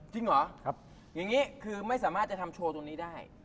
จริงเหรออย่างนี้คือไม่สามารถจะทำโชว์ตรงนี้ได้